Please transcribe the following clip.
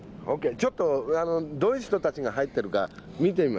ちょっとどういう人たちが入ってるか見てみましょうか。